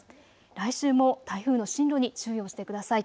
来週も台風の進路に注意をしてください。